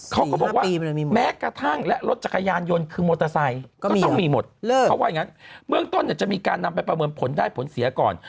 เขาก็บอกว่าแม้กระทั่งและรถจักรยานยนต์คือมอเตอร์ไซค์ก็ต้องมีหมดเขาว่าอย่างนั้นเบื้องต้นเนี่ยจะมีการนำไปประเมินผลได้ผลเสียก่อน